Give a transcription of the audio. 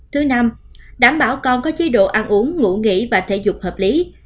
thứ năm đảm bảo con có chế độ ăn uống ngủ nghỉ và thể dục hợp lý